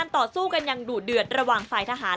ต่อสู้กันอย่างดุเดือดระหว่างฝ่ายทหาร